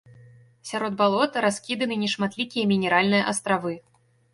Сярод балот раскіданы нешматлікія мінеральныя астравы.